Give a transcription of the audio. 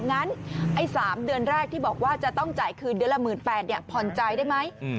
งั้นไอ้สามเดือนแรกที่บอกว่าจะต้องจ่ายคืนเดือนละหมื่นแปดผ่อนจ่ายได้ไหม